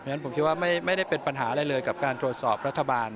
ฉะผมคิดว่าไม่ได้เป็นปัญหาอะไรเลยกับการตรวจสอบรัฐบาล